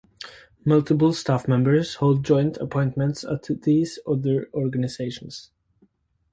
Multiple staff members hold joint appointments at these other organisations.